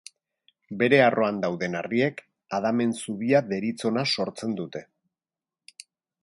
Bere arroan dauden harriek Adamen Zubia deritzona sortzen dute.